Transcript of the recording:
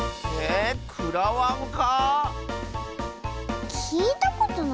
えっくらやんか？